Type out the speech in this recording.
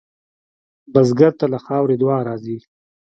بزګر ته له خاورې دعا راځي